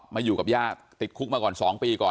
มาอยู่กับญาติติดคุกมาก่อน๒ปีก่อน